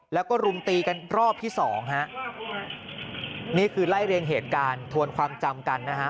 แล้วก็รุมตีกันรอบที่สองฮะนี่คือไล่เรียงเหตุการณ์ทวนความจำกันนะฮะ